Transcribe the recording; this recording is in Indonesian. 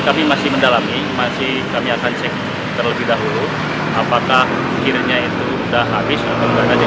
kami masih mendalami masih kami akan cek terlebih dahulu apakah kirinya itu sudah habis atau enggak